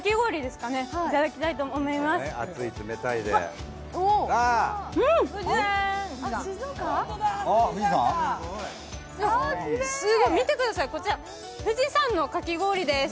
すごい、見てください、こちら富士山のかき氷です。